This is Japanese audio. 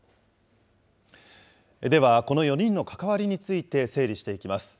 では、この４人の関わりについて整理していきます。